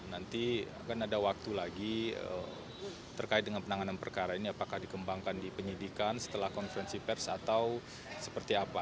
nanti akan ada waktu lagi terkait dengan penanganan perkara ini apakah dikembangkan di penyidikan setelah konferensi pers atau seperti apa